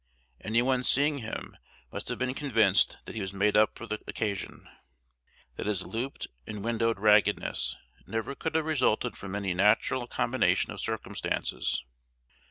Any one seeing him must have been convinced that he was made up for the occasion; that his looped and windowed raggedness never could have resulted from any natural combination of circumstances.